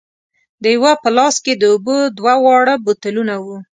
د یوه په لاس کې د اوبو دوه واړه بوتلونه وو.